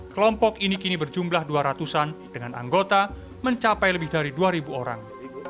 kelompok ini kini berjumlah dua ratus an dengan anggota mencapai lebih dari dua orang